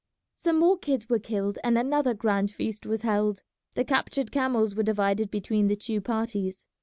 Some more kids were killed and another grand feast was held. The captured camels were divided between the two parties.